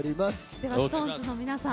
ではＳｉｘＴＯＮＥＳの皆さん